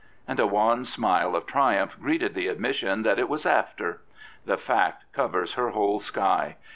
" And a wan smile of triumph greeted the admission that it was after. The fact covers her whole sky.